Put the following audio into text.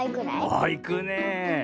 ああいくねえ。